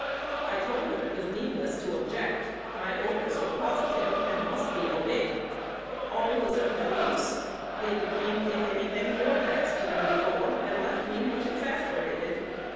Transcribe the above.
I told them it was needless to object; my orders were positive, and must be obeyed. All was of no use; they became, if anything, more vexed than before, and left me much exasperated.